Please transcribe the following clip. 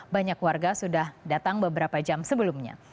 banyak warga sudah datang beberapa jam sebelumnya